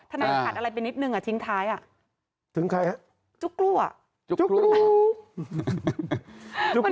ธนายถาดอะไรไปนิดนึงอ่ะทิ้งท้ายอ่ะ